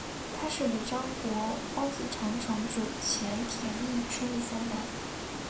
他是尾张国荒子城城主前田利春的三男。